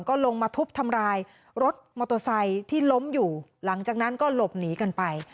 ก็ลงมาทุบทำร้ายรถมอเตอร์ไซค์ที่ล้มอยู่หลังจากนั้นก็หลบหนีกันไป